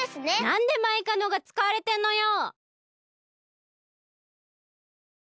なんでマイカのがつかわれてんのよ！